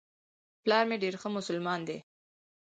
پلار مي ډېر ښه مسلمان دی .